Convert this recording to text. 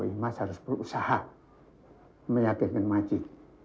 imas harus berusaha meyakinkan majid